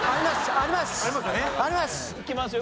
いきますよ